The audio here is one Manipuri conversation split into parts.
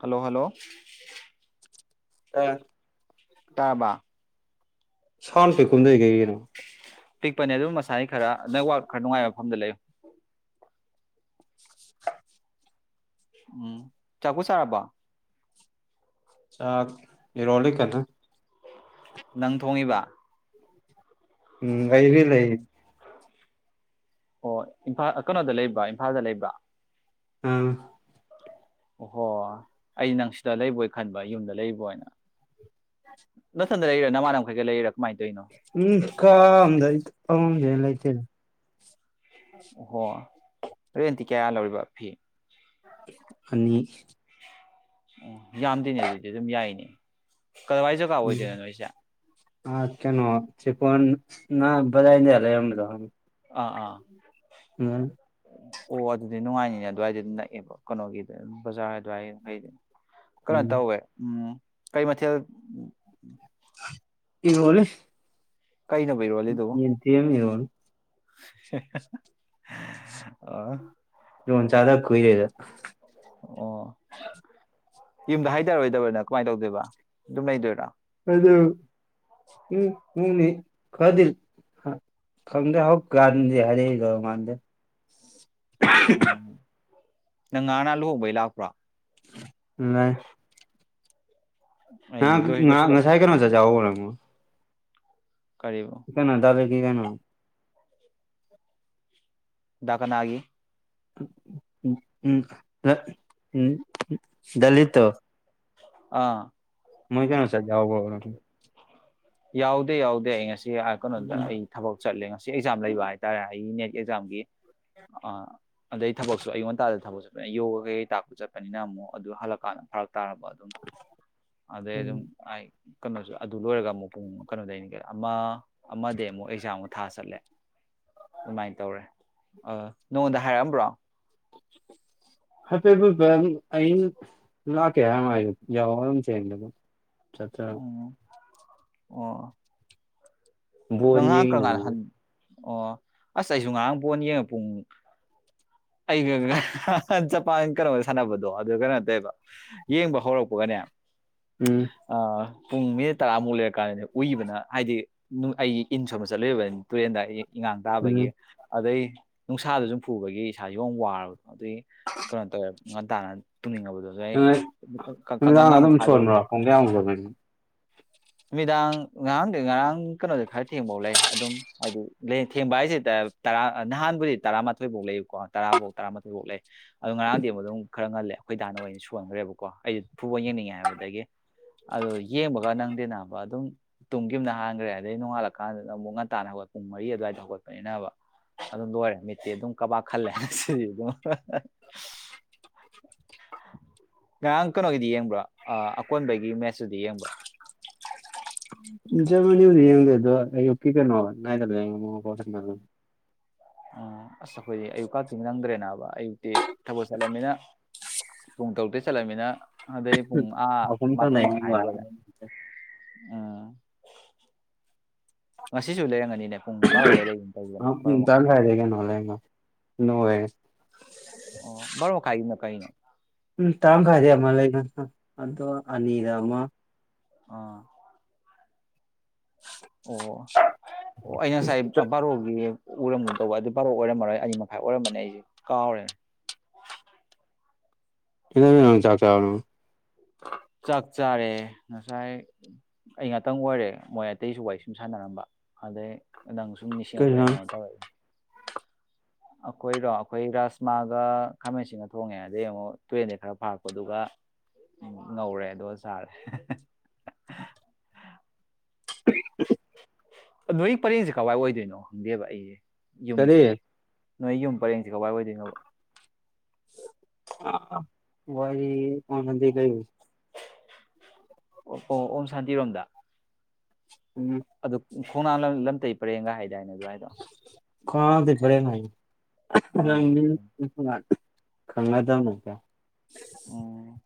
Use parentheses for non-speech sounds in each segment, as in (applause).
ꯍꯜꯂꯣ ꯍꯂꯣ ꯇꯥꯔꯕ (unintelligible) ꯁꯥꯟ ꯄꯤ ꯀꯨꯝꯗ ꯀꯩꯅ ꯄꯤꯛꯄꯅꯦ ꯑꯗꯨꯝ ꯃꯁꯥꯅꯤ ꯈꯔ ꯅꯦꯛꯋ ꯈꯔ ꯅꯨꯡꯉꯥꯏꯕ ꯃꯐꯝꯗ ꯂꯩ ꯎꯝ ꯆꯥꯛꯀꯨ ꯁꯥꯥꯔꯕ ꯆ ꯏꯔꯣꯂꯤ ꯀꯅ ꯅꯪ ꯊꯣꯡꯉꯤꯕ ꯎꯝ ꯑꯕꯤ ꯂꯩ ꯑꯣ ꯏꯝꯐꯥꯟ ꯀꯩꯅꯣꯗ ꯂꯩꯕ ꯏꯝꯐꯥꯜꯗ ꯂꯩꯕ ꯑꯥ ꯑꯣꯍꯣ ꯑꯩ ꯅꯪ ꯁꯤꯗ ꯂꯩꯕꯣꯏ ꯈꯟꯕ ꯌꯨꯝꯗ ꯂꯩꯕꯣꯏꯅ ꯅꯊꯟꯗ ꯂꯩꯔꯥ ꯅꯃꯥꯟꯅꯕꯈꯩꯀ ꯂꯩꯔꯥ ꯀꯃꯥꯏꯅ ꯇꯧꯔꯤꯅꯣ ꯎꯝ ꯀꯗꯔꯤ ꯑꯝꯗ ꯂꯩ ꯂꯩꯇ ꯑꯣꯍꯣ ꯔꯦꯟꯦꯟꯇꯤ ꯀꯌꯥ ꯂꯧꯔꯤꯕ ꯐꯤ ꯑꯅꯤ ꯑꯣ ꯌꯥꯝꯗꯦꯅꯦ ꯑꯗꯨꯗꯤ ꯑꯗꯨꯝ ꯌꯥꯏꯅꯦ ꯀꯗꯥꯋꯥꯏ ꯖꯒꯥ ꯑꯣꯏꯗꯣꯏꯅꯣ ꯅꯣꯏꯁꯦ ꯑ ꯀꯦꯅꯣ ꯆꯤꯀꯣꯟ ꯅ ꯖꯥꯏꯗꯦꯂ ꯌꯥꯝꯗ ꯑꯥ ꯑꯥ ꯎꯝ ꯑꯣ ꯑꯗꯨꯗꯤ ꯅꯨꯡꯉꯥꯏꯅꯤꯅꯦ ꯑꯗꯨꯋꯥꯏꯗ ꯑꯗꯨꯝ ꯅꯛꯑꯦꯕ ꯀꯩꯅꯣꯒꯤꯗ ꯕꯖꯥꯔ ꯑꯗꯨꯋꯥꯏꯗ ꯀꯩꯗꯤ ꯀꯩꯅꯣ ꯎꯝ ꯇꯧꯋꯦ ꯎꯝ ꯀꯩ ꯃꯊꯦꯜ ꯀ ꯍꯣꯜꯂꯤ ꯀꯩꯅꯣꯕ ꯏꯔꯣꯜꯂꯤꯗꯨꯕꯨ ꯌꯦꯇꯃꯤꯔꯣ ꯑ ꯏ ꯆꯥꯗ ꯀꯏꯔꯦꯗ ꯑꯣ ꯌꯨꯝꯗ ꯍꯥꯏꯊꯔꯣꯏꯗꯕꯅ ꯀꯃꯥꯏꯅ ꯇꯧꯗꯣꯏꯕ ꯑꯗꯨꯝ ꯂꯩꯗꯣꯏꯔꯥ ꯎꯝ ꯎꯅꯤ ꯀꯗꯜ ꯈꯪꯗ ꯍꯗꯗꯤ ꯍꯥꯏꯔ ꯃꯥꯥꯟꯗꯦ ꯎꯝ ꯅꯪ ꯉꯥꯅ ꯂꯨꯍꯣꯡꯕꯩ ꯂꯥꯛꯄ꯭ꯔꯥ ꯂꯩ ꯑ ꯑꯩ ꯂꯣꯏ ꯉ ꯂꯣꯏꯁꯤꯜꯂꯛ ꯉꯁꯥꯏ ꯀꯔ ꯆ ꯆꯕ ꯑꯃꯣ ꯀꯔꯤꯕ ꯀꯩꯅꯣ ꯇꯗꯔ ꯀ ꯀꯩꯅꯣ ꯗꯀꯅꯥꯒꯤ ꯎꯝ ꯗꯂꯤ ꯇꯣ ꯑꯥ ꯃꯣꯏ ꯀꯩꯅꯅꯣ ꯁꯥꯔꯖꯥꯎꯕ ꯅ ꯌꯥꯎꯗꯦ ꯌꯥꯎꯗꯦ ꯑꯩ ꯉꯁꯤ ꯀꯩꯅꯣꯗ ꯑꯩ ꯊꯕꯛ ꯆꯠꯂꯦ ꯉꯁꯤ ꯑꯦꯛꯖꯥꯝ ꯂꯩꯕ ꯍꯥꯏꯇꯥꯔꯦ ꯑꯩ ꯅꯦꯠ ꯑꯦꯛꯖꯥꯝꯒꯤ ꯑꯗꯩ ꯊꯕꯛꯁꯨ ꯑꯩꯌꯣꯟ ꯉꯟꯇꯥꯗ ꯊꯕꯛ ꯆꯠꯄꯅꯤꯅ ꯌꯣꯒ ꯀꯩꯀꯩ ꯇꯥꯛꯄ ꯆꯠꯄꯅꯤꯅ ꯑꯃꯨꯛ ꯑꯗꯨ ꯍꯜꯂꯛꯀꯥꯟꯗ ꯐꯔꯛ ꯇꯥꯔꯕ ꯑꯗꯨꯝ ꯑꯗꯩ ꯎꯝ ꯑꯗꯨꯝ ꯀꯩꯅꯣꯁꯨ ꯑꯗꯨ ꯂꯣꯏꯔꯒ ꯑꯃꯨꯛ ꯄꯨꯡ ꯀꯩꯅꯣꯗꯩꯅꯤ ꯀ ꯑꯃ ꯑꯃ ꯑꯃꯨꯛ ꯑꯦꯛꯖꯥꯝ ꯊꯥ ꯆꯠꯂꯦ ꯑꯗꯨꯃꯥꯏꯅ ꯇꯧꯔꯦ ꯑ ꯅꯉꯣꯟꯗ ꯍꯥꯏꯔꯛꯑꯝꯕ꯭ꯔꯣ ꯍꯥꯏꯐꯦꯠꯐꯦꯠ ꯑꯩꯅ ꯂꯥꯛꯀꯦ ꯍꯥꯏꯃ ꯍꯥꯏ ꯌꯥꯎ ꯑꯗꯨꯝ ꯆꯦꯟꯗ ꯆꯠꯠꯇ ꯎꯝ ꯑꯣ ꯅꯪ ꯕꯣꯟ ꯉꯥꯏꯍꯥꯛ ꯌꯦꯡꯉꯤꯅ ꯀꯔꯀꯥꯟꯗ ꯍ ꯑꯣ ꯑꯁ ꯑꯩꯁꯨ ꯉꯥꯏꯍꯥꯛ ꯄꯣꯟꯅ ꯌꯦꯡꯉ ꯄꯨꯡ ꯑꯩꯒꯒ꯭ꯔ ꯆꯄꯥꯟ ꯀꯩꯅꯣꯗ ꯁꯥꯟꯅꯕꯗꯣ ꯑꯗꯨ ꯀꯩꯅꯣ ꯇꯧꯕ ꯌꯦꯡꯕ ꯍꯧꯔꯛꯄꯒꯅꯦ ꯎꯝ ꯑ ꯀꯨꯡꯃꯤ ꯇ ꯑꯃꯣꯜ ꯑꯦ ꯀ ꯎꯏꯕꯅ ꯍꯥꯏꯗꯤ ꯑꯩꯒꯤ ꯏꯟ ꯁꯣꯕ ꯆꯠꯂꯨꯕꯅꯤ ꯇꯨꯔꯦꯟꯗ ꯑꯩ ꯏꯉꯥꯡ ꯇꯥꯕꯒꯤ ꯎꯝ ꯑꯗꯩ ꯅꯨꯡꯁꯥꯗ ꯁꯨꯝ ꯐꯨꯕꯒꯤ ꯏꯁꯥꯁꯨ ꯑꯃ ꯋꯥꯔꯕ ꯑꯗꯨꯏ ꯀꯩꯅꯣ ꯇꯧꯋꯦ ꯇꯅ ꯅꯨꯃꯤꯗꯥꯡ ꯑꯃ ꯑꯗꯨꯝ ꯊꯥꯗꯕꯤ ꯁꯣꯟꯕ꯭ꯔꯣ ꯄꯨꯡ ꯀꯌꯥꯃꯨꯗꯕꯅ ꯅꯨꯃꯤꯗꯥꯡ ꯉꯔꯥꯡꯗꯤ ꯉꯔꯥꯡ ꯀꯩꯅꯣꯗꯤ ꯈꯔ ꯊꯦꯡꯕꯧ ꯂꯩ ꯑꯗꯨꯝ ꯍꯥꯏꯗꯤ ꯊꯦꯡꯕ ꯍꯥꯏꯁꯤꯦꯗꯤ ꯇꯔꯥ ꯅꯍꯥꯟꯕꯨꯗꯤ ꯇꯔꯥꯃꯥꯊꯣꯏꯐꯥꯎ ꯂꯩꯌꯀꯣ ꯇꯔꯥꯐꯧ ꯇꯔꯥꯃꯊꯣꯏꯐꯥꯎ ꯂꯩ ꯑ ꯑꯗꯨꯣ ꯉꯔꯥꯡꯗꯤ ꯑꯃ ꯑꯗꯨꯝ ꯈꯔ ꯉꯜꯂꯦ ꯑꯩꯈꯣꯏ ꯇꯥꯟꯅꯕ ꯍ ꯑꯣꯏꯅ ꯁꯣꯟꯅꯈ꯭ꯔꯦꯕꯀꯣ ꯑꯩꯗꯤ ꯐꯨꯠꯕꯣꯜꯡ ꯅꯤꯡꯉ ꯍꯥꯏꯕꯗꯒꯤ ꯑꯗꯨ ꯌꯦꯡꯕꯒ ꯅꯪꯗꯤꯦꯅꯥꯅꯕ ꯑꯗꯨꯝ ꯇꯨꯡꯒꯤ ꯑꯃꯅ ꯍꯥꯟꯈ꯭ꯔꯦ ꯑꯗꯩ ꯅꯣꯡꯉꯥꯜꯂꯀꯥꯟꯗ ꯑꯃꯨꯛ ꯉꯟꯇꯥꯟꯅꯅ ꯍꯧꯒꯠ ꯄꯨꯡ ꯃꯔꯤ ꯑꯗꯨꯋꯥꯏꯗ ꯍꯧꯒꯠꯄꯅꯤꯅꯕ ꯑꯗꯨꯝ ꯂꯣꯏꯔꯦ ꯃꯤꯠꯇꯦ ꯑꯗꯨꯝ ꯀ ꯑꯂꯦ ꯁꯤ ꯉꯔꯥꯡ ꯀꯩꯅꯣꯒꯤꯗꯤ ꯌꯦꯡꯕ꯭ꯔꯥ ꯑꯀꯣꯟꯕꯒꯤ ꯃꯦꯠꯁꯇꯨꯗꯤ ꯌꯦꯡꯕ꯭ꯔꯥ ꯖꯃ ꯌ ꯌꯦꯡꯗ ꯑꯗꯨꯣ ꯀ ꯀꯩꯅꯣ ꯎꯝ ꯑꯁ ꯑꯩꯈꯣꯏꯗꯤ ꯑꯌꯨꯛꯀꯛꯇꯤꯡ ꯅꯪꯗ꯭ꯔꯦꯅꯥꯕ ꯑꯌꯨꯛꯇꯤ ꯊꯕꯛ ꯆꯠꯂꯝꯅꯤꯅ ꯄꯨꯡ ꯇꯧꯗ ꯆꯂꯥꯏꯃꯤꯅ ꯑꯗꯨꯗꯩ ꯄꯨꯡ ꯑ ꯑꯍꯨꯝ ꯇꯥꯅ ꯃꯥꯄꯜ ꯌꯦꯡꯕ ꯃꯈꯥꯏꯗꯨꯒ ꯎꯝ ꯉꯁꯤꯁꯨ ꯂꯩꯔꯝꯒꯅꯤꯅꯦ ꯄꯨꯡ ꯕꯥꯔꯣꯗ ꯂꯩꯒꯅ ꯇꯧꯧꯕꯅꯦ ꯑꯥ ꯕꯥꯔꯣ ꯃꯈꯥ ꯅꯅꯨꯡꯋꯦ ꯑꯣ ꯕꯥꯔꯣ ꯃꯈꯥꯏꯒꯤꯅ ꯀꯩꯅꯣ ꯄꯨꯡ ꯇꯔꯥꯃꯈꯥꯏꯗꯩ ꯑꯃ ꯂꯩꯕꯅꯦ ꯑꯗꯣ ꯑꯅꯤꯗ ꯑꯃ ꯑꯥ ꯑꯣ ꯑꯣ ꯑꯩ ꯉꯁꯥꯏ ꯕꯥꯔꯣꯒꯤ ꯎꯔꯝꯅꯨ ꯇꯧꯕ ꯑꯗꯨ ꯄꯥꯕ ꯑꯣꯏꯔꯝꯃꯔꯣꯏ ꯑꯅꯤ ꯃꯈꯥꯏ ꯑꯣꯏꯔꯝꯕꯅꯤ ꯑꯩꯁꯦ ꯀꯥꯎꯔꯦ ꯆꯥꯛ ꯆꯔꯕꯔꯥ ꯆꯥꯛ ꯆꯥꯔꯦ ꯉꯁꯥꯏ ꯑꯩ ꯉꯥꯇꯪ ꯑꯣꯏꯔꯦ ꯃꯣꯏ ꯑꯇꯩꯁꯨ ꯋꯥꯔꯤ ꯁꯨꯝ ꯁꯥꯟꯅꯔꯝꯕ ꯑꯗ ꯑꯪ ꯁꯨꯝ ꯅꯤꯡꯁꯤꯡꯉꯄꯦ ꯀꯩꯅꯣ ꯇꯦ ꯑꯩꯈꯣꯏꯔꯣ ꯑꯩꯈꯣꯏ ꯔꯥꯁꯃꯥꯒ ꯈꯥꯃꯦꯟꯁꯤꯒ ꯊꯣꯡꯉꯦ ꯑꯗꯩ ꯑꯃꯨꯛ ꯇꯨꯔꯦꯟꯗꯒꯤꯩ ꯈꯔ ꯐꯥꯔꯛꯄꯗꯨ ꯎꯝ ꯉꯧꯔꯦ ꯑ ꯑꯗꯨꯒ ꯁꯥꯔꯦ ꯅꯣꯏ ꯄꯔꯦꯡꯁꯦ ꯀꯗꯥꯏ ꯑꯣꯏꯗꯣꯏꯅꯣ ꯈꯪꯗꯦꯕ ꯑꯩꯁꯦ ꯀꯔꯤ ꯌꯨꯝꯁꯦ ꯅꯣꯏ ꯌꯨꯝ ꯄꯔꯦꯡꯁꯦ ꯀꯗꯥꯏ ꯑꯣꯏꯗꯣꯏꯅꯣ ꯋꯥꯔꯤ ꯄ ꯅꯗꯤ ꯀ ꯑꯣ ꯑꯣ ꯑꯣꯝ ꯁꯥꯟꯇꯤꯔꯣꯝꯗ ꯎꯝ ꯈꯣꯡꯅꯥ ꯂꯝꯇꯩ ꯄꯔꯦꯡꯒ ꯍꯥꯏꯗꯥꯏꯅꯦ ꯑꯗꯨꯋꯥꯏꯗꯣ ꯀꯥꯗ ꯐꯔꯦꯅ ꯑꯥ ꯪ ꯈꯪꯅ ꯇꯅ ꯀ ꯎꯝ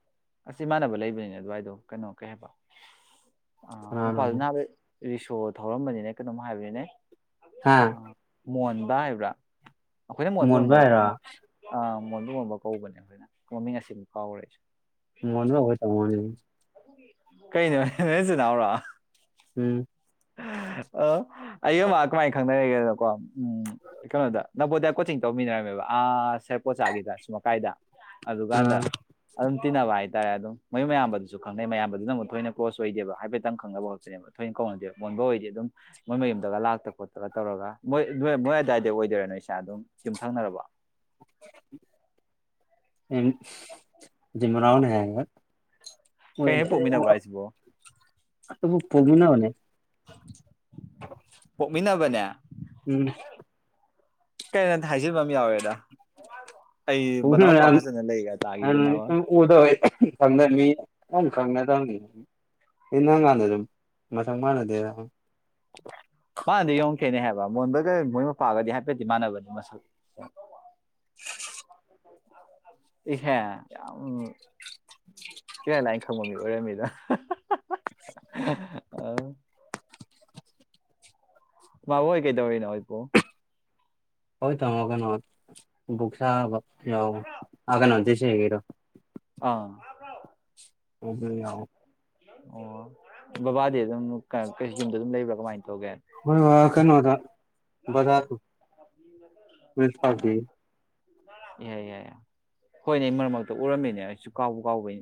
ꯑꯁꯤ ꯏꯃꯥꯟꯅꯕ ꯂꯩꯕꯅꯤꯅꯦ ꯑꯗꯨꯋꯥꯏꯗꯣ ꯀꯩꯅꯣ ꯀꯩ ꯍꯥꯏꯕ ꯑ ꯀꯅꯥꯅꯣ ꯃꯄꯥꯜꯗ ꯍꯥꯏ ꯅꯍꯥꯟ ꯔꯤꯁꯣ ꯊꯧꯔꯝꯕꯅꯤꯅꯦ ꯀꯩꯅꯣꯝ ꯍꯥꯏꯕꯅꯤꯅꯦ ꯍꯥ ꯑ ꯃꯣꯟꯕ ꯍꯥꯏꯕ꯭ꯔꯥ ꯑꯩꯈꯣꯏꯅ ꯃꯣꯟꯕ ꯑꯃꯝ ꯑꯣꯏꯣꯏꯀꯣ ꯑ ꯃꯣꯟꯗꯨꯒꯣꯟꯕ ꯀꯧꯕꯅꯦ ꯑꯩꯈꯣꯏꯅ ꯃꯃꯤꯡ ꯑꯁꯤꯕꯨ ꯀꯥꯎꯔꯦ ꯑꯩꯁꯦ ꯃꯅ ꯑꯣꯏ ꯇꯔ ꯀꯩꯅꯦ ꯋꯥ ꯅꯁꯨꯅꯥꯕꯔ ꯎꯝ ꯑ ꯑꯩ ꯀꯃꯥꯏꯅ ꯈꯪꯅꯔꯤꯒꯦꯗꯅꯀꯣ ꯎꯝ ꯀꯩꯅꯣꯗ ꯅꯕꯣꯗꯤꯌꯥ ꯀꯣꯆꯤꯡ ꯇꯧꯃꯤꯟꯅꯔꯝꯃꯦꯕ ꯑ ꯁꯔ ꯄꯣꯆꯥꯥꯒꯤꯗ ꯁꯃ ꯀꯥꯏꯗ ꯑꯗꯨꯗꯒꯥꯟꯗ ꯑꯥ ꯑꯗꯨꯝ ꯇꯤꯤꯟꯕ ꯍꯥꯏ ꯍꯥꯏꯇꯥꯔꯦ ꯑꯗꯨꯝ ꯃꯣꯏ ꯃꯌꯥꯝꯕꯗꯨꯁꯨ ꯈꯪꯅꯩ ꯃꯌꯥꯝꯕꯗꯨꯅ ꯑꯃꯨꯛ ꯊꯣꯏꯅ ꯀ꯭ꯂꯣꯖ ꯑꯣꯏꯗꯦꯕ ꯍꯥꯏꯐꯦꯠꯇꯪ ꯈꯪꯅꯕ ꯈꯛꯇꯅꯦꯕ ꯊꯣꯏꯅ ꯀꯧꯅꯗꯦꯕ ꯃꯣꯟꯕ ꯑꯣꯏꯗꯤ ꯑꯗꯨꯝ ꯃꯣꯏ ꯃꯌꯨꯝꯗꯒ ꯂꯥꯛꯇ ꯈꯣꯠꯇꯒ ꯇꯧꯔꯒ ꯃꯣꯏꯣꯏ ꯃꯣꯏ ꯑꯗꯨꯗꯥꯋꯥꯏꯗ ꯑꯣꯏꯗꯣꯏꯔꯅꯣ ꯏꯁꯥ ꯑꯗꯨꯝ ꯌꯨꯝꯊꯪꯅꯔꯕ ꯏ ꯃꯔꯅ ꯍꯥꯏ ꯀꯩ ꯍꯦꯛ ꯄꯣꯛꯃꯤꯟꯅꯕ꯭ꯔꯥ ꯍꯥꯏꯁꯤꯕꯣ ꯇꯕꯨ ꯄꯃꯤꯅ ꯃꯅꯦ ꯄꯣꯛꯃꯤꯟꯅꯕꯅꯦ ꯎꯝ ꯀꯩꯅꯩꯅ ꯍꯥꯏꯖꯤꯟꯕ ꯑꯃ ꯌꯥꯎꯋꯦꯗ ꯑꯩ ꯃꯅꯥꯎꯄꯥ ꯐꯖꯅ ꯂꯩꯒ ꯇꯥꯒꯤꯗꯨ ꯅꯅꯥꯋꯥ ꯎꯗ ꯈꯪꯗ ꯃꯤ ꯑ ꯈꯪꯅ ꯇ ꯏꯟꯅ ꯉꯥꯟꯗ ꯑꯗꯨ ꯆꯅꯗꯦ ꯃꯥꯅꯗꯤ ꯌꯡꯉꯈꯤꯦꯅꯦ ꯍꯥꯏꯕ ꯃꯣꯟꯗꯒ ꯃꯣꯏ ꯃꯄꯥꯒꯗꯤ ꯍꯥꯏꯐꯦꯠꯇꯗꯤ ꯃꯥꯟꯅꯕꯅꯤ ꯃꯁꯛ (unintelligible) ꯏꯍꯦ ꯌꯥꯝ ꯏꯌꯥꯥꯏ ꯂꯥꯏꯅ ꯈꯪꯕ ꯃꯤ ꯑꯣꯏꯔꯝꯃꯤꯗ ꯑ ꯃꯥ ꯑꯣꯏꯣꯏ ꯀꯩꯗꯧꯏꯅ ꯑꯣꯏꯣꯏꯕꯨ ꯍꯣꯏ ꯇꯒꯩꯅꯣ ꯕꯨꯁꯥ ꯌꯥ ꯑꯒꯅꯁ ꯍꯦꯒꯔꯣ ꯑꯥ ꯑꯣꯕ ꯌꯥꯎ ꯑꯣ ꯕꯕꯥꯗꯤ ꯑꯗꯨꯝ ꯌꯨꯝꯗ ꯑꯗꯨꯝ ꯂꯩꯕ꯭ꯔꯥ ꯀꯃꯥꯏꯅ ꯇꯧ ꯍ ꯀꯩꯅꯩꯅꯣꯗꯖꯥ ꯃꯤꯄꯥ ꯑꯣ ꯌꯥꯏ ꯌꯥꯏ ꯍꯣꯏꯅꯦ ꯃꯔꯛ ꯃꯔꯛꯇ ꯎꯔꯝꯃꯤꯅꯦ ꯑꯩꯁꯨ ꯀꯥꯎꯕ ꯀꯥꯎꯕꯩ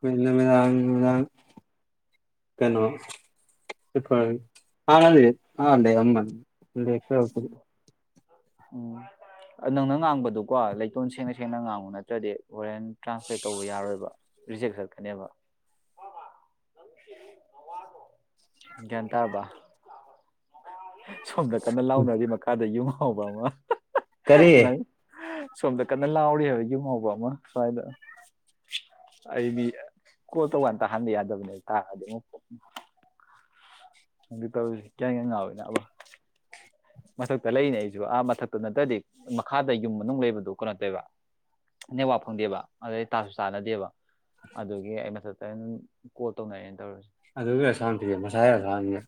ꯃꯂ ꯃꯗꯥꯥꯡ ꯃꯗꯥꯥꯡ ꯀꯩꯅꯣ ꯑꯦ ꯑ ꯂꯩꯦ ꯑꯃ ꯗꯦꯁꯤ ꯑꯣꯝ ꯅꯪꯅ ꯉꯥꯡꯕꯗꯨꯀꯣ ꯂꯩꯇꯣꯟ ꯁꯦꯡꯅ ꯁꯦꯡꯅ ꯉꯥꯡꯕ ꯅꯠꯇ꯭ꯔꯗꯤ ꯍꯣꯔꯦꯟꯦꯟ ꯇ꯭ꯔꯥꯟꯁꯂꯦꯠ ꯇꯧꯕ ꯌꯥꯔꯣꯏꯕ ꯔꯤꯖꯦꯛ ꯁꯥꯠꯀꯅꯦꯕ ꯒ꯭ꯌꯥꯟ ꯇꯥꯔꯕ ꯁꯣꯝꯗ ꯀꯟꯅ ꯂꯥꯎꯅꯔꯤ ꯃꯈꯥꯗ ꯌꯨꯝ ꯍꯥꯎꯕ ꯑꯃ ꯀꯔꯤ ꯁꯣꯝꯗ ꯀꯟꯅ ꯂꯥꯎꯔꯤ ꯍꯥꯏꯕ ꯌꯨꯝ ꯍꯥꯎꯕ ꯑꯃ ꯁ꯭ꯋꯥꯏꯗ ꯑꯩꯗꯤ ꯀꯣꯜ ꯇꯧꯀꯥꯟ ꯇ ꯍꯟꯗ ꯌꯥꯗꯕꯅꯦ ꯇꯥꯔꯑꯗꯤ ꯑꯃꯨꯛ ꯍꯪꯗꯤ ꯇꯧꯔꯤꯁꯤ ꯀꯌꯥ ꯀꯌꯥ ꯉꯥꯎꯋꯦꯅꯦ ꯑꯕ ꯃꯊꯛꯇ ꯂꯩꯅꯦ ꯑꯩꯁꯨ ꯑꯥ ꯃꯊꯛꯇ ꯅꯠꯇ꯭ꯔꯗꯤ ꯃꯈꯥꯗ ꯌꯨꯝ ꯃꯅꯨꯡ ꯂꯩꯕꯗꯨ ꯀꯩꯅꯣ ꯇꯕ ꯅꯦꯛꯋꯥ ꯐꯪꯗꯦꯕ ꯑꯗꯨꯗ ꯇꯥꯁꯨ ꯆꯥꯅꯗꯦꯕ ꯑꯗꯨꯒꯤ ꯑꯩ ꯃꯊꯛꯇꯩꯅ ꯀꯣꯜ ꯇꯧꯅꯔꯩꯅ ꯇꯧꯔꯁꯤꯦ ꯑꯗꯨ ꯎ ꯁꯥꯟꯇꯤꯦ ꯃꯁꯥ ꯁꯥꯟꯤꯦ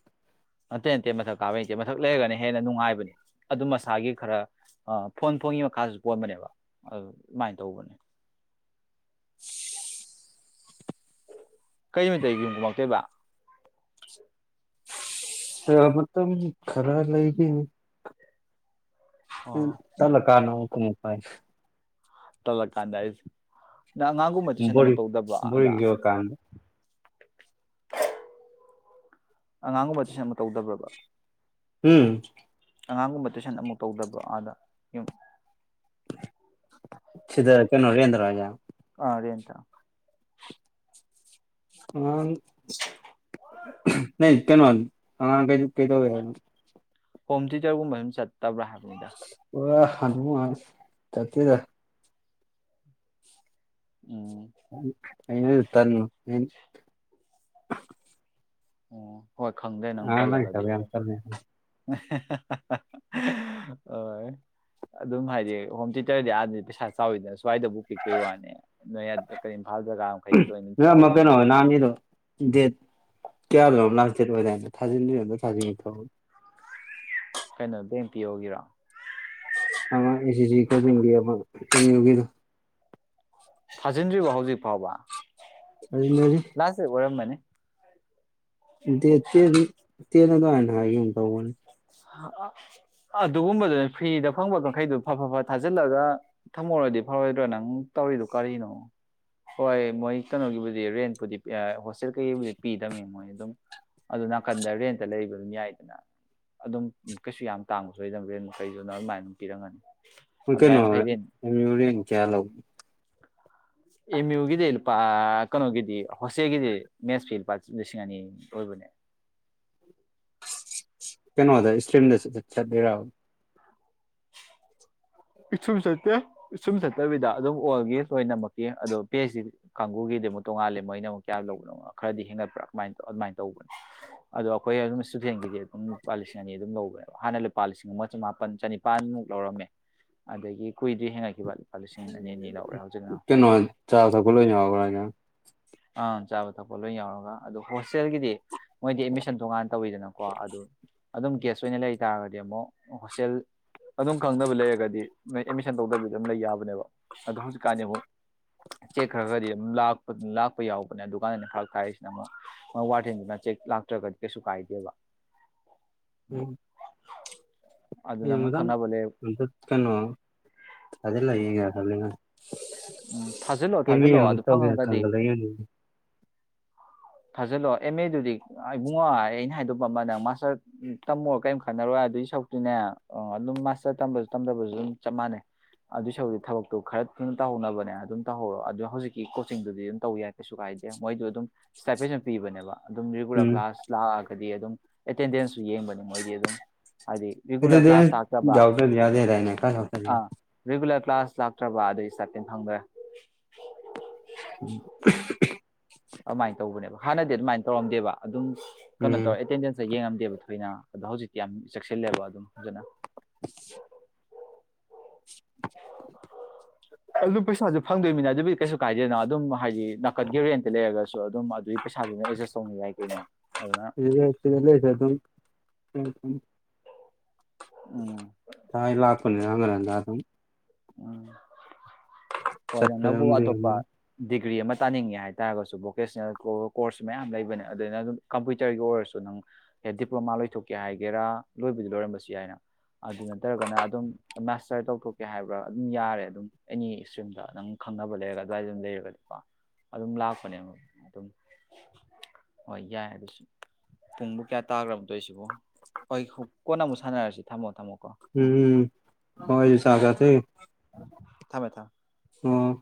ꯑꯇꯩ ꯑꯇꯩ ꯃꯊꯛ ꯀꯥꯕꯩ ꯅꯇꯦ ꯃꯊꯛ ꯂꯩꯔꯒꯅ ꯍꯦꯟꯅ ꯅꯨꯡꯉꯥꯏꯕꯅꯦ ꯑꯗꯨ ꯃꯁꯥꯒꯤ ꯈꯔ ꯑ ꯐꯣꯟ ꯐꯣꯟꯒꯤ ꯃꯈꯥꯗꯁꯨ ꯄꯣꯟꯕꯅꯦꯕ ꯑꯗꯨ ꯑꯗꯨꯃꯥꯏꯅ ꯇꯧꯕꯅꯦ (unintelligible) ꯀꯩꯃꯤ ꯇꯔꯤꯒꯤꯨꯝ ꯀꯨꯝꯃꯛꯇꯣꯏꯕ ꯃꯇꯝ ꯈꯔ ꯂꯩꯒꯦ ꯎ ꯑꯣ ꯆꯂꯣ ꯀꯥꯅꯨ ꯀꯃꯄꯥꯏ ꯇꯜꯂꯛꯀꯥꯟꯗꯥ ꯑꯩꯁ ꯅꯪ ꯑꯉꯥꯡꯒꯨꯝꯕ ꯇꯨꯏꯁꯟ ꯑꯃꯨꯛ ꯕꯣꯔꯤꯡ ꯇꯧꯗꯕ ꯑꯗ ꯕꯣꯔꯤꯡ ꯆꯨꯔꯀꯥꯟꯗ ꯑꯉꯥꯡꯒꯨꯝꯕ ꯇꯨꯏꯁꯟ ꯑꯃ ꯇꯧꯗꯕ꯭ꯔꯕꯥ ꯎꯝ ꯑꯉꯥꯡꯒꯨꯝꯕ ꯇꯨꯏꯁꯟ ꯑꯃꯨꯛ ꯇꯧꯗꯕ ꯑꯥꯗ ꯌꯨꯝ ꯆꯗ ꯀꯦꯩꯅ ꯔꯌꯦꯟꯗ꯭ꯔꯥꯖ ꯑꯗ ꯇ ꯑ (unintelligible) ꯅ ꯀꯅ ꯋꯥꯜ ꯑ ꯀꯩꯗ ꯀꯩꯗꯧꯋ ꯍꯣꯝ ꯊꯤꯦꯇꯔꯒꯨꯝꯕ ꯑꯗꯨꯝ ꯆꯠꯇꯕ꯭ꯔꯥ ꯍꯥꯏꯕꯅꯤꯗ ꯊꯉ ꯆꯦꯗ ꯎꯝ ꯇ ꯑꯣ ꯍꯣꯏ ꯈꯪꯗ꯭ꯔꯦ ꯅꯪ ꯑꯉꯥꯡ ꯂꯥꯏꯔꯤꯛ ꯇꯜꯂꯒꯗꯤ ꯇꯝꯕ ꯌꯥꯝ ꯑꯗꯨꯝ ꯇꯜꯂꯦ (unintelligible) ꯍꯣꯏ ꯑꯗꯨꯝ ꯍꯥꯏꯗꯤ ꯍꯣꯝ ꯊꯤꯦꯇꯔꯗꯤ ꯑꯥꯗꯗꯤ ꯄꯩꯁꯥ ꯆꯥꯎꯋꯤꯗꯅꯁꯨ ꯁ꯭ꯋꯥꯏꯗꯕꯨ ꯄꯤꯛꯄꯩ ꯋꯥꯅꯦ ꯅꯣꯏ ꯀ ꯏꯝꯐꯥꯜ ꯖꯒꯥ ꯃꯈꯩꯗꯤ ꯂꯣꯏꯅ ꯅꯣꯏ ꯑꯃ ꯀꯩꯅꯣ ꯆꯥꯎꯕꯅꯦꯕ ꯅꯍꯥꯟꯒꯤꯗꯣ ꯗꯦꯠ ꯀꯌꯥꯅꯣ ꯂꯥꯁ ꯗꯦꯠ ꯑꯣꯏꯗꯥꯗ ꯊꯥꯖꯤꯟꯗ ꯊꯥꯖꯤꯟ ꯀꯩꯅꯣ ꯕꯦꯡꯛ ꯄꯤ ꯑꯣꯏꯒꯤꯔꯣ ꯑꯃꯥ ꯑꯦꯁꯤꯁꯤ ꯀ‌ꯣꯆꯤꯡꯒꯤ ꯑꯝꯃꯤꯌ‌ꯨ ꯒꯤꯗꯨ ꯊꯥꯖꯤꯟꯗ꯭ꯔꯤꯕ ꯍꯧꯖꯤꯛ ꯐꯥꯎꯕ ꯑꯗꯨꯅꯗꯤ ꯂꯥꯁꯇ ꯑꯣꯏꯔꯝꯕꯅꯤ ꯇꯅꯗ ꯍꯥꯏꯅ ꯍꯥꯏꯒꯨ ꯇꯧꯕꯅꯤ ꯑꯗꯨꯒꯨꯝꯕꯗꯨꯅ ꯐ꯭ꯔꯤꯗ ꯐꯪꯕ ꯀꯥꯡꯈꯩꯗꯨꯣ ꯐ ꯐ ꯐ ꯊꯥꯖꯤꯜꯂꯒ ꯊꯝꯃꯧꯔꯗꯤ ꯐꯥꯎꯔꯣꯏꯗ꯭ꯔꯥ ꯅꯪ ꯇꯧꯔꯤꯗꯨꯣ ꯀꯔꯤꯅꯣ ꯍꯣꯏ ꯃꯣꯏ ꯀꯩꯅꯣꯒꯤꯕꯨꯗꯤ ꯔꯦꯟꯄꯨꯗꯤ ꯍꯣꯁꯇꯦꯜ ꯀꯩꯀꯩꯕꯨꯗꯤ ꯄꯤꯗꯝꯕꯅꯤ ꯃꯣꯏ ꯑꯗꯨꯝ ꯑꯗꯨ ꯅꯥꯀꯟꯗ ꯑꯔꯦꯟꯇ ꯂꯩꯕꯗꯨ ꯌꯥꯏꯗꯅ ꯑꯗꯨꯝ ꯀꯩꯁꯨ ꯌꯥꯝ ꯇꯥꯡꯕ ꯁꯣꯏꯗꯕ ꯔꯦꯟ ꯃꯈꯩꯗꯨꯅ ꯑꯗꯨꯃꯥꯏꯅ ꯑꯗꯨꯝ ꯄꯤꯔꯝꯒꯅꯤ ꯍꯨ ꯑꯗꯨꯃꯥꯏ ꯀꯩꯅꯣ ꯍ ꯃꯈꯩ ꯔꯦꯟ ꯌ ꯀꯌꯥꯂ ꯑꯦꯝ ꯌꯨꯒꯤꯗꯤ ꯂꯨꯄꯥ ꯀꯩꯅꯣꯒꯤꯗꯤ ꯍꯣꯁꯦꯒꯤꯗꯤ ꯃꯦꯠꯁꯀꯤꯤ ꯂꯨꯄꯥ ꯂꯤꯁꯤꯡ ꯑꯅꯤ ꯑꯣꯏꯕꯅꯤ (unintelligible) ꯀꯩꯅꯅꯣ ꯊ ꯏꯁꯇ꯭ꯔꯤꯝ ꯆ ꯆ ꯂꯩꯔ (unintelligible) ꯁꯨꯝ ꯆꯠꯇꯦꯨꯝ ꯆꯠꯇꯕꯤꯗ ꯑꯗꯨꯝ ꯑꯣꯒ ꯂꯣꯏꯅꯃꯛꯀꯤ ꯑꯗꯣ ꯄꯦꯁꯤ ꯀꯥꯡꯕꯨ ꯒꯤꯗꯤ ꯑꯃꯨꯛ ꯇꯣꯉꯥꯂꯦ ꯃꯣꯏꯅ ꯑꯃꯨꯛ ꯀꯌꯥ ꯂꯧꯕꯅꯣ ꯈꯔꯗꯤ ꯍꯦꯟꯒꯠꯄ꯭ꯔꯥꯃ ꯇ ꯑꯗꯨꯃꯥꯏꯅ ꯇꯧꯕꯅ ꯑꯗꯣ ꯑꯩꯈꯣꯏ ꯍꯐꯦꯟꯒꯤꯗꯤ ꯑꯗꯨꯝ ꯂꯨꯄꯥ ꯂꯤꯁꯤꯡ ꯑꯅꯤ ꯑꯗꯨꯝ ꯂꯧꯕꯕ ꯍꯥꯟꯅ ꯂꯨꯄꯥ ꯂꯤꯁꯤꯡ ꯑꯃ ꯆꯃꯥꯄꯟ ꯆꯅꯤ ꯅꯤꯄꯥꯟꯃꯨꯛ ꯂꯧꯔꯝꯃꯦ ꯑꯗꯒꯤ ꯀꯨꯏꯗ꯭ꯔꯤ ꯍꯦꯡꯉꯛꯈꯤꯕ ꯀꯩꯅꯣ ꯍꯥꯏ ꯆꯥꯁ ꯈꯂꯅꯦ ꯋꯥꯒ ꯑꯪ ꯆꯥꯕ ꯊꯛꯄ ꯂꯣꯏ ꯌꯥꯎꯔꯒ ꯑꯗꯨ ꯍꯣꯁꯇꯦꯜꯒꯤꯗꯤ ꯃꯣꯏꯗꯤ ꯑꯦꯠꯃꯤꯁꯟ ꯇꯣꯡꯉꯥꯟ ꯇꯧꯋꯤꯗꯅꯀꯣ ꯑꯗꯨ ꯑꯗꯨꯝ ꯒꯦꯁ ꯑꯣꯏꯅ ꯂꯩ ꯇꯥꯔꯒꯗꯤ ꯑꯃꯨꯛ ꯍꯣꯁꯇꯦꯜ ꯑꯗꯨꯝ ꯈꯪꯗꯕ ꯂꯩꯔꯒꯗꯤ ꯑꯦꯠꯃꯤꯁꯟ ꯇꯧꯗꯕꯤꯗ ꯑꯗꯨꯝ ꯂꯩ ꯌꯥꯕꯅꯦꯕ ꯑꯗꯣ ꯍꯧꯖꯤꯛꯀꯥꯟꯗꯤ ꯑꯃꯨꯛ ꯆꯦꯛꯈ꯭ꯔ ꯈꯗꯤ ꯂꯥꯛꯄ ꯀꯄ ꯌꯥꯎꯕꯅꯦ ꯑꯗꯨꯀꯥꯟꯗꯅꯦ ꯐꯔꯛ ꯊꯥꯏꯔꯤꯁꯤꯅ ꯑꯃꯨꯛ ꯃ ꯋꯥꯔꯊꯦꯟꯁꯤꯅ ꯆꯦꯛ ꯂꯥꯛꯇ꯭ꯔꯒꯗꯤ ꯀꯩꯁꯨ ꯀꯥꯏꯗꯦꯕ ꯎ ꯎ ꯑꯗꯨ ꯅꯪꯅ ꯌꯦꯗꯥꯝ ꯈꯪꯅꯕ ꯂꯩ ꯀꯩꯅꯣ ꯂꯩꯌꯦꯉꯅ ꯎꯝ ꯊꯥꯖꯤꯜꯂꯣ ꯀꯃꯤ ꯊꯥꯖꯤꯜꯂꯣ ꯍꯧ ꯑꯗꯨ ꯇꯧꯒ ꯐꯪꯉꯒꯗꯤ ꯈꯪꯒ ꯂꯩꯅꯤ ꯐꯥꯖꯜꯂꯣ ꯑꯦꯝ ꯑꯦꯗꯨꯗꯤ ꯏꯕꯨꯡꯉꯣ ꯑꯩꯅ ꯍꯥꯏꯗꯣꯛꯄ ꯑꯃ ꯅꯪ ꯃꯥꯁꯇꯔ ꯇꯝꯃ ꯀꯔꯤꯝ ꯈꯠꯅꯔꯣꯏ ꯑꯗꯨꯏ ꯁꯛꯇꯨꯅꯦ ꯑꯣ ꯑꯗꯨꯝ ꯃꯥꯁꯇꯔꯁꯨ ꯇꯝꯗꯕꯁꯨ ꯑꯗꯨꯝ ꯆꯞ ꯃꯥꯟꯅꯩ ꯑꯗꯨꯏ ꯁꯗꯤ ꯊꯕꯛꯇꯣ ꯈꯔ ꯊꯨꯅ ꯇꯧꯍꯧꯅꯕꯅꯦ ꯑꯗꯨꯝ ꯇꯧꯍꯧꯔꯣ ꯑꯗꯨ ꯍꯧꯖꯤꯛꯀꯤ ꯀꯣꯆꯤꯡꯗꯨꯗꯤ ꯑꯗꯨꯝ ꯇꯧ ꯌꯥꯏ ꯀꯩꯁꯨ ꯀꯥꯏꯦ ꯍꯥꯏ ꯃꯣꯏꯗ ꯑꯗꯨꯝ ꯄꯤꯕꯅꯦꯕ ꯑꯗꯨꯝ ꯔꯤꯒꯨꯂꯔ ꯎꯝ ꯀ꯭ꯂꯥꯁ ꯂꯥꯛꯑꯒꯗꯤ ꯑꯗꯨꯝ ꯑꯦꯇꯦꯟꯗꯦꯟꯁꯁꯨ ꯌꯦꯡꯕꯅꯤ ꯃꯣꯏꯗꯤ ꯑꯗꯨꯝ ꯍꯥꯏꯗꯤ ꯔꯤꯒꯨꯂꯔ ꯑꯗꯨꯗꯤ ꯀ꯭ꯂꯥꯁ ꯇꯥꯛꯇꯕ ꯌꯥꯎꯗ꯭ꯔꯗꯤ ꯌꯥꯗꯦꯗꯥꯏꯅꯦ ꯈꯔ ꯌꯥꯎꯗ꯭ꯔꯗꯤ ꯌꯥ ꯑ ꯔꯤꯒꯨꯂ ꯀ꯭ꯂꯥꯁ ꯂꯥꯛꯇ꯭ꯔꯕ ꯑꯗꯨꯏ ꯆꯥꯇꯤꯟ ꯐꯪꯗ꯭ꯔꯦ ꯎꯝ ꯑꯗꯨꯃꯥꯏꯅ ꯇꯧꯕꯅꯦꯕ ꯍꯥꯟꯅꯗꯤ ꯑꯗꯨꯃꯥꯏꯅ ꯇꯧꯔꯝꯗꯦꯕ ꯑꯗꯨꯝ ꯀꯩꯅꯣ ꯎꯝ ꯇꯧꯔ ꯑꯦꯇꯦꯟꯗꯦꯟꯁꯇ ꯌꯦꯡꯉꯝꯗ ꯗꯦꯕ ꯊꯣꯏꯅ ꯑꯗꯣ ꯍꯧꯖꯤꯛꯇꯤ ꯌꯥꯝ ꯆꯦꯛꯁꯤꯜꯂꯦꯕ ꯑꯗꯨꯝ ꯐꯖꯅ (inaudible) ꯑꯗꯨ ꯄꯩ ꯁꯥꯥꯖ ꯐꯪꯗꯣꯏꯅꯤꯅ ꯑꯗꯨꯗꯤ ꯀꯩꯁꯨ ꯀꯥꯏꯗꯦꯗꯅ ꯑꯗꯨꯝ ꯍꯥꯏꯗꯤ ꯅꯥꯀꯟꯒꯤ ꯔꯦꯟꯇ ꯂꯩꯔꯒꯁꯨ ꯑꯗꯨꯝ ꯑꯗꯨꯒꯤ ꯄꯩꯁꯥꯗꯨꯅ ꯑꯦꯗꯖꯁ ꯇꯧꯅꯤ ꯌꯥꯏ ꯀꯩꯅꯣ ꯑꯗꯨꯅ ꯑꯦ ꯆꯂꯁ ꯑꯗꯨ ꯎꯝ ꯇꯥꯏ ꯂꯥꯛ ꯄꯨꯅꯤꯔꯉꯦꯗ ꯑꯗꯨꯝ ꯎꯝ ꯍꯣꯏ ꯅ ꯆꯠꯄ ꯅꯪꯕꯨ ꯑꯗꯨꯝ ꯑꯇꯣꯞꯄ ꯂꯩꯔꯝꯅꯤ ꯗꯤꯒ꯭ꯔꯤ ꯑꯃ ꯇꯥꯅꯤꯡꯉꯦ ꯍꯥꯏꯇꯥꯔꯒꯁꯨ ꯚꯣꯀꯦꯁꯅꯦꯜ ꯀꯣꯔꯁꯁꯨ ꯃꯌꯥꯝ ꯂꯩꯕꯅꯦ ꯑꯗꯨꯥꯏꯅ ꯑꯗꯨꯝ ꯀꯝꯄ꯭ꯌꯨꯇꯔꯒꯤ ꯑꯣꯏꯔꯁꯨ ꯅꯪ ꯗꯤꯄ꯭ꯂꯣꯃꯥ ꯂꯣꯏꯊꯣꯛꯀꯦ ꯍꯥꯏꯒꯦꯔꯥ ꯂꯣꯏꯕꯨꯗꯤ ꯂꯣꯏꯔꯝꯕꯁꯨ ꯌꯥꯏꯅ ꯑꯗꯨ ꯅꯠꯇ꯭ꯔꯒꯅ ꯑꯗꯨꯝ ꯃꯥꯁꯇꯔ ꯇꯧꯊꯣꯛꯀꯦ ꯍꯥꯏꯕ ꯄꯨ ꯑꯗꯨꯝ ꯌꯥꯔꯦ ꯑꯗꯨꯝ ꯑꯦꯅꯤ ꯏꯁꯇ꯭ꯔꯤꯝꯗ ꯅꯪ ꯈꯪꯅꯕ ꯂꯩꯔꯒ ꯑꯗꯨꯋꯥꯏꯗ ꯑꯗꯨꯝ ꯂꯩꯔꯒꯗꯤꯀꯣ ꯑꯗꯨꯝ ꯂꯥꯛꯄꯅꯦꯕ ꯑꯗꯨꯝ ꯍꯣꯏ ꯌꯥꯏ ꯑꯗꯨꯁꯨ ꯄꯨꯡꯕꯨ ꯀꯌꯥ ꯇꯥꯈ꯭ꯔꯕꯗꯣꯁꯤꯕꯨ ꯑꯩ ꯀꯣꯟꯅ ꯑꯃꯨꯛ ꯁꯥꯟꯅꯔꯁꯤ ꯊꯝꯃꯣ ꯊꯝꯃꯣ ꯎꯝ ꯍꯣꯏ ꯁꯥꯒ ꯊ ꯊꯝꯃꯦ ꯊꯝꯃꯦ ꯑ